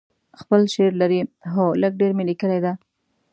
خپل شعر لرئ؟ هو، لږ ډیر می لیکلي ده